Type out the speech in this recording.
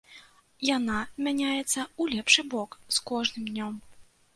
Яна мяняецца ў лепшы бок з кожным днём.